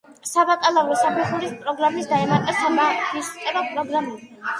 საბაკალავრო საფეხურის პროგრამებს დაემატა სამაგისტრო პროგრამები.